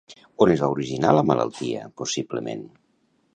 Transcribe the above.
On es va originar la malaltia, possiblement?